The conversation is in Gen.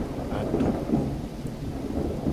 Adokpo.